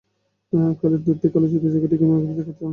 খালিদ দুর থেকে আলোচিত জায়গাটি ইকরামাকে দেখান।